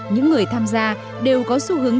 những người tham gia đều có xu hướng